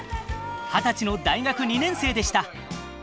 二十歳の大学２年生でした。